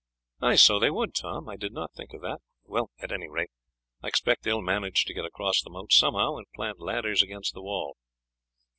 "So they would, Tom; I did not think of that. Well, at any rate, I expect they will manage to get across the moat somehow and plant ladders against the wall."